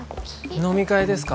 飲み会ですか？